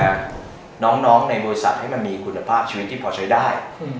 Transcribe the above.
น้องน้องในบริษัทให้มันมีคุณภาพชีวิตที่พอใช้ได้